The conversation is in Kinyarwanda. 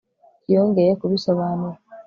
yongeye kubisobanura